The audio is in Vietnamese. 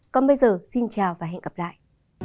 còn bây giờ xin chào và hẹn gặp lại